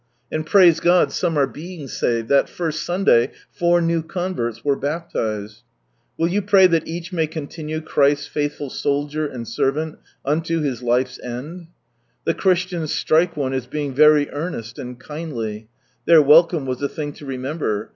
And praise God, some are being saved, that first Sunday four new converts were baptised. U'ill you pray that each may continue Christ's faithful soldier and servant unto his life's end? The Christians strike one, as being very eamesi, and kindly. Their welcome was a thing to remember.